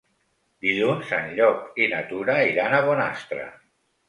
Dilluns en Llop i na Tura iran a Bonastre.